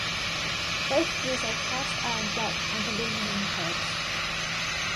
Both use a cast iron block and aluminum heads.